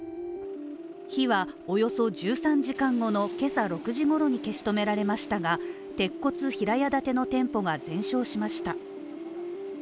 火は、およそ１３時間後の今朝６時ごろに消し止められましたが、鉄骨平屋建ての店舗が全焼しました。